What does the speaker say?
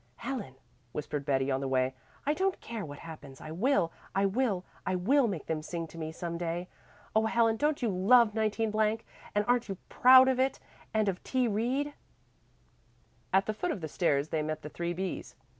"Helen," whispered Betty on the way, "I don't care what happens, I will, I will, I will make them sing to me some day. Oh Helen, don't you love 19 , and aren't you proud of it and of T. Reed?" At the foot of the stairs they met the three B's.